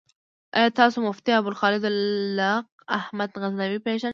آيا تاسو مفتي ابوخالد لائق احمد غزنوي پيژنئ؟